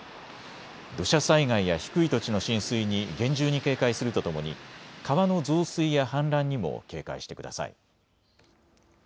土砂災害や低い土地の浸水に厳重に警戒するとともに川の増水や氾濫にも警戒してください。